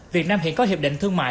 việt nam hiện có hiệp định thương mại